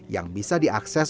yang bisa diakses